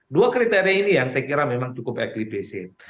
dua kriteria ini yang saya kira memang cukup eklipacit